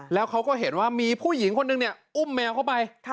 แล้วเขาก็เห็นว่ามีผู้หญิงคนนึงเนี่ยอุ้มแมวเข้าไป